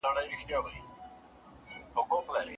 ـخان باز ، ليکوال او د کابل پوهنتون د ادبياتو پوهنځي استاد.